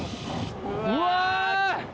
うわ！